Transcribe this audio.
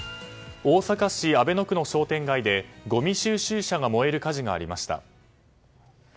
大阪市阿倍野区の商店街でごみ収集車が燃える火事がありました。